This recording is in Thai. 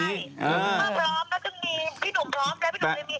พี่หนูพร้อมแล้วจึงมีพี่หนูพร้อมแล้วพี่หนูไม่มี